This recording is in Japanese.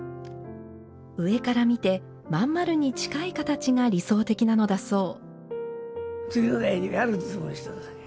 上から見て、まん丸に近い形が理想的なのだそう。